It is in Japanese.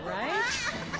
アハハハ！